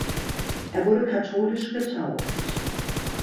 Er wurde katholisch getauft.